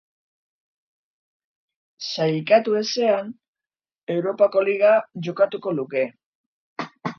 Sailkatu ezean, Europa Liga jokatuko luke.